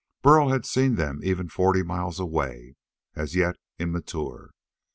Burl had seen them even forty miles away, as yet immature.